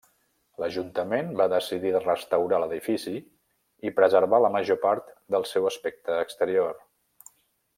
L'ajuntament va decidir restaurar l'edifici i preservar la major part del seu aspecte exterior.